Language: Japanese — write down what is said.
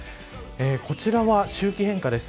こちらは周期変化です。